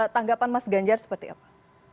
tanggapan mas ganjar seperti apa